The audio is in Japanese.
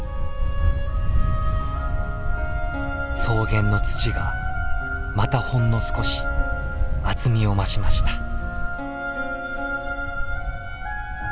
草原の土がまたほんの少し厚みを増しました。